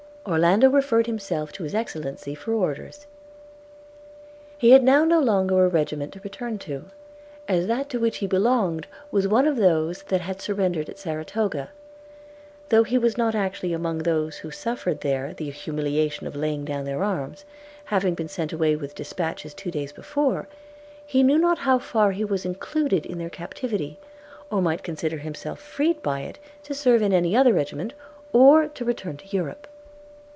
Orlando referred himself to his Excellency for orders. – He had now no longer a regiment to return to, as that to which he belonged was one of those that had surrendered at Saratoga – Though he was not actually among those who suffered there the humiliation of laying down their arms, having been sent away with dispatches two days before, he knew not how far he was included in their captivity, or might consider himself freed by it to serve in any other regiment, or to return to Europe.